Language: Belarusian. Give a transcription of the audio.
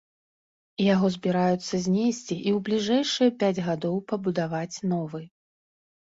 Яго збіраюцца знесці і ў бліжэйшыя пяць гадоў пабудаваць новы.